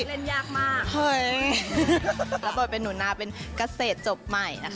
รับไบเป็นนุนาเป็นกเกษตรจบใหม่